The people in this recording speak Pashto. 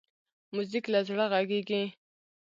موزیک له زړه غږېږي.